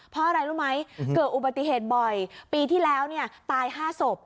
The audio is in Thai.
เพราะอะไรรู้ไหมเกิดอุบัติเหตุบ่อยปีที่แล้วเนี่ยตาย๕ศพ